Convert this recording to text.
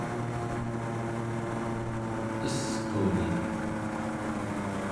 esquni